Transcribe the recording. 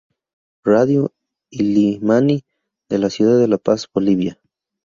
Radio Illimani de La Ciudad De La Paz, Bolivia.